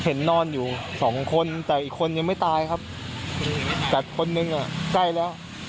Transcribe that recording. นอนอยู่สองคนแต่อีกคนยังไม่ตายครับแต่คนนึงอ่ะใกล้แล้ว